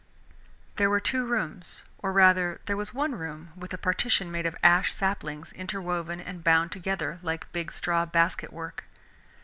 There were two rooms, or rather there was one room with a partition made of ash saplings interwoven and bound together like big straw basket work.